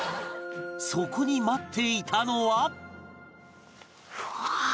そこに待っていたのは